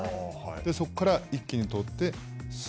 そこから、一気に取って。